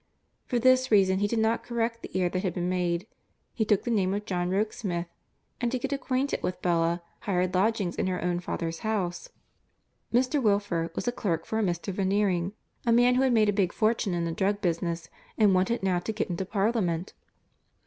For this reason he did not correct the error that had been made. He took the name of John Rokesmith, and, to get acquainted with Bella, hired lodgings in her own father's house. Mr. Wilfer was a clerk for a Mr. Veneering, a man who had made a big fortune in the drug business and wanted now to get into Parliament.